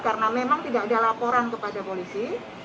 karena memang tidak ada laporan kepada polisi